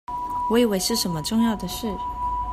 我以為是什麼重要的事